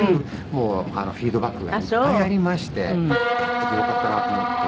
もうフィードバックがいっぱいありましてやっててよかったなと思って。